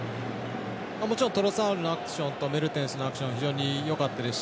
もちろんトロサールのアクションとメルテンスのアクション非常によかったですし